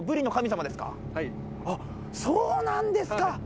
そうなんですか！